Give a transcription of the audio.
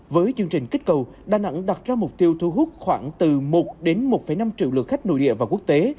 với chương trình kích cầu đà nẵng đặt ra mục tiêu thu hút khoảng từ một đến một năm triệu lượt khách nội địa và quốc tế